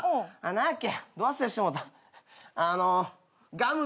何やっけ。